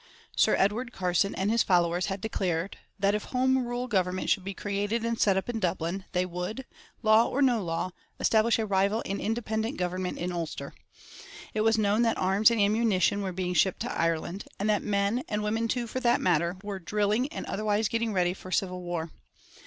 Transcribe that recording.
Sir Edward Carson and his followers had declared that if Home Rule government should be created and set up in Dublin, they would law or no law establish a rival and independent Government in Ulster. It was known that arms and ammunition were being shipped to Ireland, and that men and women too, for that matter were drilling and otherwise getting ready for civil war.